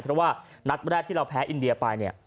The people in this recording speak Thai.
เพราะว่านัดแรกที่เราแพ้อินเดียไปเนี่ย